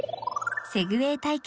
セグウェイ体験